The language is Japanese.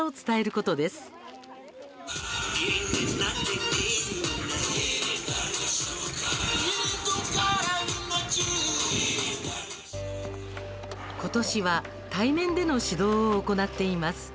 ことしは対面での指導を行っています。